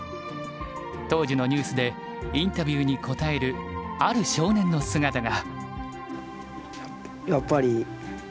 当時のニュースでインタビューに答えるある少年の姿が。